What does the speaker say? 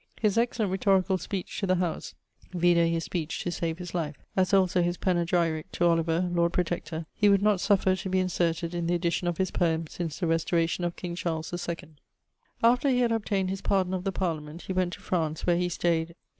His excellent rhetoricall speech to the House (vide his speech to save his life), as also his panegyrique to Oliver, Lord Protector, he would not suffer to be inserted in the edition of his Poems since the restauration of king Charles II. After he had obtayned his pardon of the Parliament, he went to France, where he stayed